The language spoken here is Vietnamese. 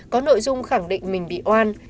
có nội dung khẳng định mình bị oan